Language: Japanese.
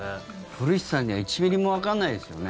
古市さんには１ミリもわかんないですよね。